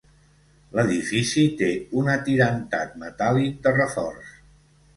L'edifici té un atirantat metàl·lic de reforç.